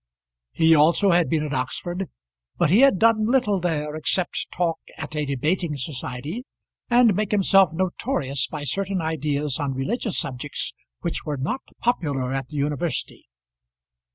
He also had been at Oxford; but he had done little there except talk at a debating society, and make himself notorious by certain ideas on religious subjects which were not popular at the University.